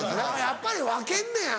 やっぱり分けんねや。